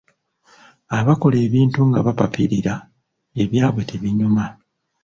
Abakola ebintu nga bapapirira ebyabwe tebinyuma